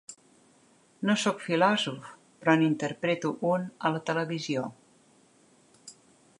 No soc filòsof, però n'interpreto un a la televisió.